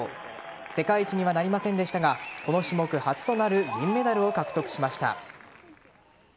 世界一にはなりませんでしたがこの種目初となる銀メダルを獲得しました。